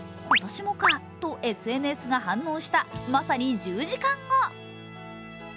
今年もか、とＳＮＳが反応したまさに１０時間後。